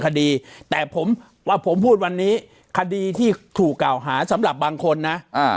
คดีแต่ผมว่าผมพูดวันนี้คดีที่ถูกกล่าวหาสำหรับบางคนนะอ่า